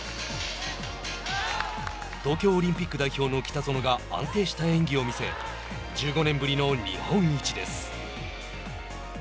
東京オリンピック代表の北園が安定した演技を見せ１５年ぶりの日本一です。